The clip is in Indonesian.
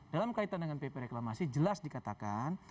dalam kaitan dengan pp reklamasi jelas dikatakan